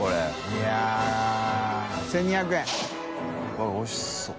わっおいしそう。